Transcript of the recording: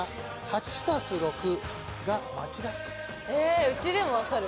えうちでも分かる。